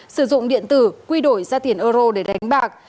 sử dụng điện tử quy đổi ra tiền euro để đánh bạc